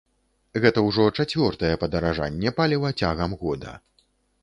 Гэта ўжо чацвёртае падаражанне паліва цягам года.